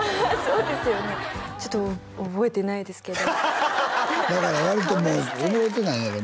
そうですよねちょっと覚えてないですけどだから割ともう覚えてないんやろ？